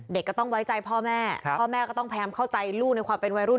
เด็กก็ต้องไว้ใจพ่อแม่พ่อแม่ก็ต้องพยายามเข้าใจลูกในความเป็นวัยรุ่น